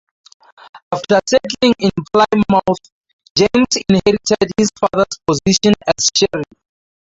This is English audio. After settling in Plymouth, James inherited his father's position as sheriff.